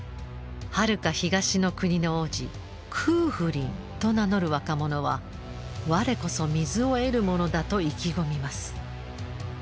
はるか東の国の王子空賦鱗と名乗る若者は我こそ水を得る者だと意気込みます。